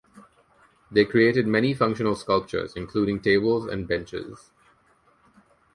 They created many functional sculptures, including tables and benches.